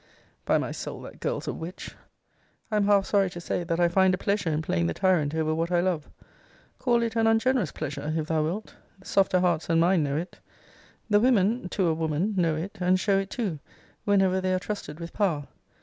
* By my soul, that girl's a witch! I am half sorry to say, that I find a pleasure in playing the tyrant over what I love. Call it an ungenerous pleasure, if thou wilt: softer hearts than mine know it. The women, to a woman, know it, and show it too, whenever they are trusted with power.